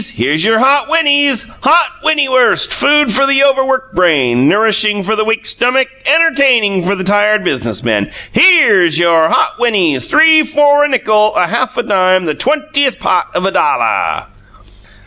HERE'S your hot winnies! Hot winny WURST! Food for the over worked brain, nourishing for the weak stummick, entertaining for the tired business man! HERE'S your hot winnies, three for a nickel, a half a dime, the twentieth pot of a dollah!"